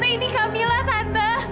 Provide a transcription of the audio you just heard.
tante ini kamilah tante